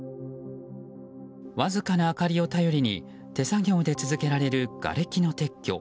わずかな明かりを頼りに手作業で続けられるがれきの撤去。